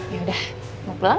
yaudah mau pulang